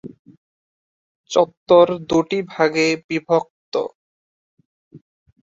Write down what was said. চত্বর দুটি ভাগে বিভক্ত।